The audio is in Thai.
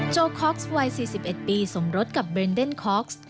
โกคอกซ์วัย๔๑ปีสมรสกับเบรนเดนคอกซ์